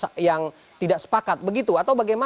saya ingin mencetak pelajar pancasila